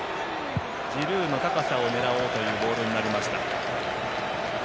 ジルーの高さを狙おうというボールになりました。